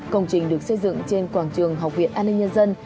công trình được xây dựng trên quảng trường học viện an ninh nhân dân